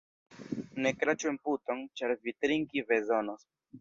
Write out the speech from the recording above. Ne kraĉu en puton, ĉar vi trinki bezonos.